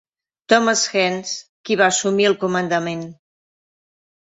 Thomas Hines, qui va assumir el comandament.